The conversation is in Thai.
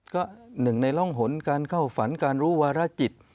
ก็หนึ่งในร่องหนการเข้าฝันการรู้วารจิต